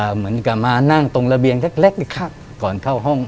เหมือนกันมานั่งตรงระเบียงเล็กเร็กเสียง